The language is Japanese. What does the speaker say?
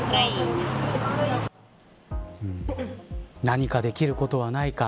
何かできることはないか。